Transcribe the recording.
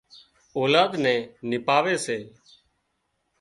اولاد نين نپاوي سي